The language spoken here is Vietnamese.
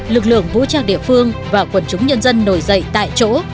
lực lượng vũ trang địa phương và quần chúng nhân dân nổi dậy tại chỗ